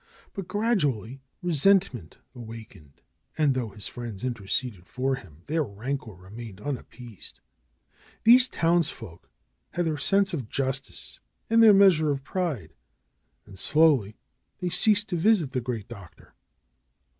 But gradu ally resentment awakened and though his friends in terceded for him their rancor remained unappeased. These townfolk had their sense of justice and their measure of pride, and slowly they ceased to visit the great doctor.